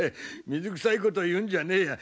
水くさいこと言うんじゃねえや。